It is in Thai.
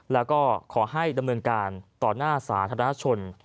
แล้วก็ขอให้ดำเนินการต่อหน้าสาธารณชน